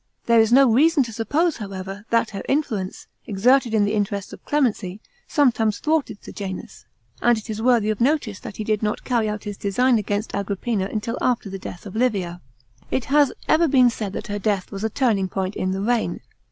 There is reason to suppose, however, that her influence, exerted in the interests of clemency, sometimes thwarted Sejanus, and it is worthy of notice that he did not carry out his design against Agrippina until after the death of Livia. It has even been said that her death was a turning point m the reign.